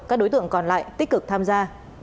các đối tượng còn lại tích cực tham gia